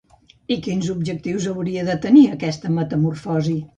I quins objectius hauria de tenir aquesta metamorfosi?